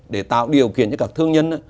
để tạo điều kiện cho các thương nhân